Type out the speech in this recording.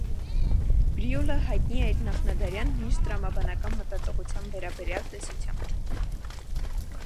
Բրյուլը հայտնի է իր նախնադարյան «մինչտրամաբանական մտածողության» վերաբերյալ տեսությամբ։